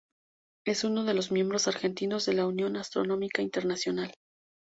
Es uno de los miembros Argentinos de la Unión Astronómica Internacional.